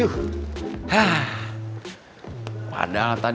lu buk appeal